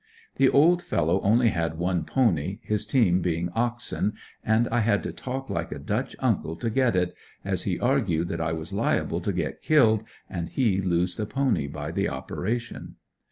The old fellow only had one pony, his team being oxen and I had to talk like a Dutch uncle to get it, as he argued that I was liable to get killed and he lose the pony by the operation.